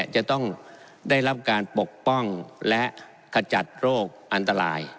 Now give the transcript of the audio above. จะต้องได้รับการปกป้องและขจัดโรคอันตราย